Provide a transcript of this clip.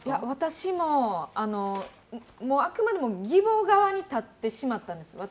私も、あくまでも義母側に立ってしまったんです。